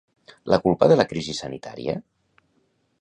La culpa de la crisi sanitària?